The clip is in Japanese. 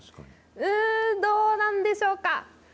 うーん、どうなんでしょうか。